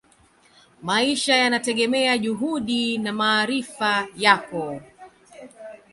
maisha yanategemea juhudi na maarifa yako